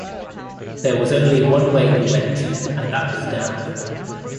There was only one way you went and that was down.